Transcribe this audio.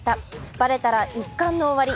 バレたら一巻の終わり。